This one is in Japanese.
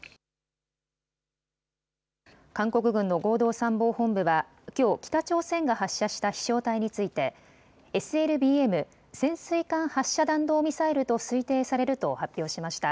韓国軍の合同参謀本部はきょう北朝鮮が発射した飛しょう体についてＳＬＢＭ・潜水艦発射弾道ミサイルと推定されると発表しました。